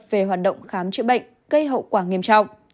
về hoạt động khám chữa bệnh gây hậu quả nghiêm trọng